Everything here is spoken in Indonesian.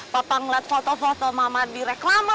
papa ngeliat foto foto mamah direklama